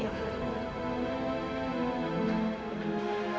selamat ya ibu